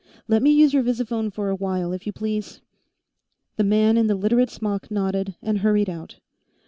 Let me use your visiphone for a while, if you please." The man in the Literate smock nodded and hurried out.